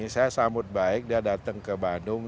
saya sambut baik dia datang ke bandung